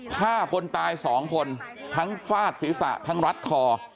ฆ่าคนตายสองคนทั้งฟาดศีรษะทั้งรัดคอ